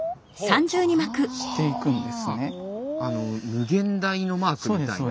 無限大のマークみたいな。